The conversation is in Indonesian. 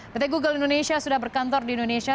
pt google indonesia sudah berkantor di indonesia